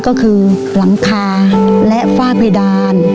ก็คือหลังคาและฝ้าเพดาน